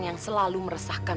dan men embodied yoari padding